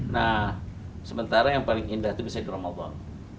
nah sementara yang paling indah itu bisa di ramadan